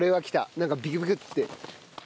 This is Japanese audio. なんかビクビクって。